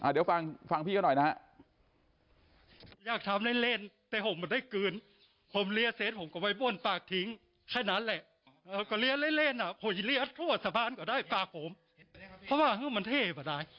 เดี๋ยวฟังพี่เขาหน่อยนะฮะ